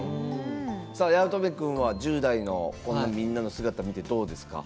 さあ八乙女くんは１０代のみんなの姿を見てどうですか。